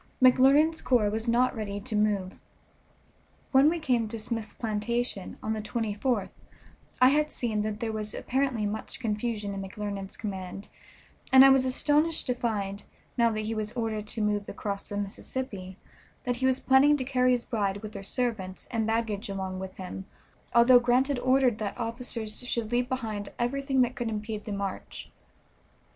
McClernand's corps was not ready to move. When we came to Smith's plantation, on the 24th, I had seen that there was apparently much confusion in McClernand's command, and I was astonished to find, now that he was ordered to move across the Mississippi, that he was planning to carry his bride with her servants, and baggage along with him, although Grant had ordered that officers should leave behind everything that could impede the march.